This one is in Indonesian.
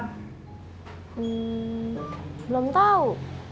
hmm belum tau